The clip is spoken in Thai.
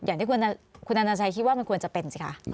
อย่างที่ทุกคนคิดว่ามันควรจะเป็น